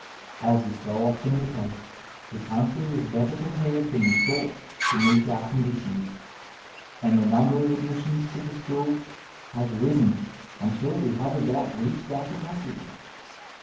As is so often the case, the country was better prepared than we thought to meet our conditions, and the number of admissions to the school has risen until we have about reached our capacity.